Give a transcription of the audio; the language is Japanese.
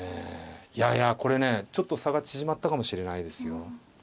いやいやこれねちょっと差が縮まったかもしれないですよ。